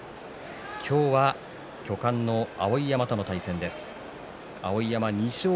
今日は巨漢の碧山との対戦です。